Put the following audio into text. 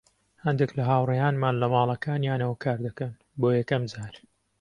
هەندێک لە هاوڕێیانمان لە ماڵەکانیانەوە کاردەکەن، بۆ یەکەم جار.